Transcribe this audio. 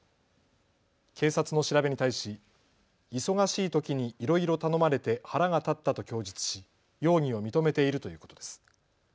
警察の調べに対し忙しいときにいろいろ頼まれて腹が立ったと供述し容疑を認めているということです。